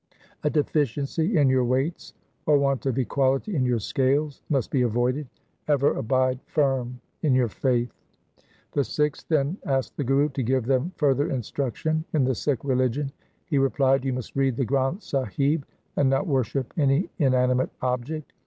2 A deficiency in your weights or want of equality in your scales must be avoided. Ever abide firm in your faith.' ' The Sikhs then asked the Guru to give them further instruction in the Sikh religion. He re plied, ' You must read the Granth Sahib, and not worship any inanimate object.